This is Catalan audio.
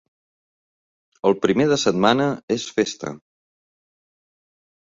El primer de setmana és festa.